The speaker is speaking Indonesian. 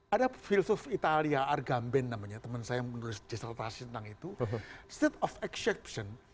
ada filsuf italia argamben namanya teman saya yang menulis desertrasi tentang itu state of exception